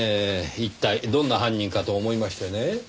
一体どんな犯人かと思いましてね。